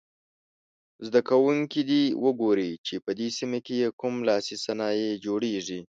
زده کوونکي دې وګوري چې په سیمه کې یې کوم لاسي صنایع جوړیږي.